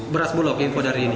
beras bulog info dari ini